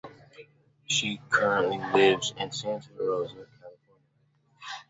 She currently lives in Santa Rosa, California.